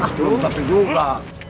ah belum pasti juga